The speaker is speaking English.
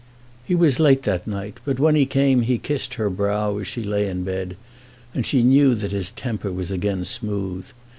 He was late that night, but when he came he kissed her brow as she lay in bed, and she knew that his temper was again smooth.